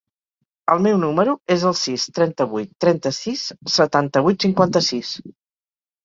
El meu número es el sis, trenta-vuit, trenta-sis, setanta-vuit, cinquanta-sis.